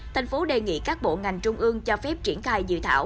thành phố đề nghị các bộ ngành trung ương cho phép triển khai dự thảo